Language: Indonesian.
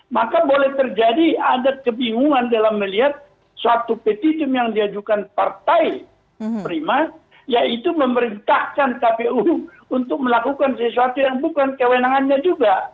maka boleh terjadi ada kebingungan dalam melihat suatu petitum yang diajukan partai prima yaitu memerintahkan kpu untuk melakukan sesuatu yang bukan kewenangannya juga